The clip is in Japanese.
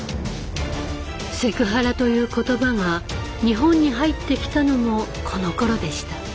セクハラという言葉が日本に入ってきたのもこのころでした。